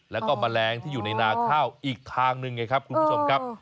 แล้วก็แมลงที่อยู่ในนาข้าวอีกทางหนึ่งไงครับคุณผู้ชมครับ